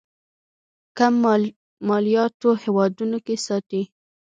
کم مالياتو هېوادونو کې ساتي.